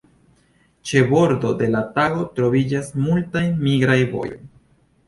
Ĉe bordo de la lago troviĝas multaj migraj vojoj.